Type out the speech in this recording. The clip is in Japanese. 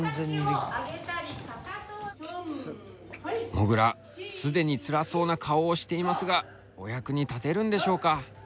もぐら既につらそうな顔をしていますがお役に立てるんでしょうか？